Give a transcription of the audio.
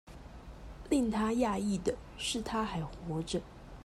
令他訝異的是她還活著